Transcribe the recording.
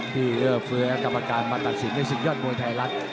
ที่เออเฟื้อกับประการมาตัดสินในสินยอดมวยไทยรัฐ